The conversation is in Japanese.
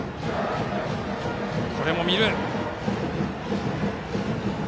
これも見た。